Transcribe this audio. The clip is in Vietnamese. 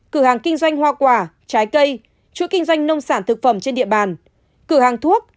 cửa hàng kinh doanh hoa quả trái cây chuỗi kinh doanh nông sản thực phẩm trên địa bàn cửa hàng thuốc